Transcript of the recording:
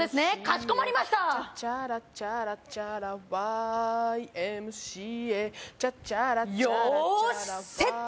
チャチャラチャラチャラＹ．Ｍ．Ｃ．Ａ．チャチャラチャラチャラよしセット